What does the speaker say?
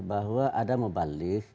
bahwa ada mubalik